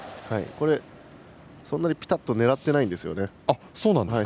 そんなにピタッと狙っていないんですよね。